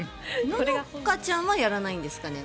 野々花ちゃんはやらないんですかね